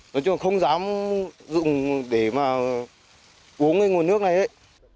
nói chung là không dám dùng để mà uống cái nguồn nước này ấy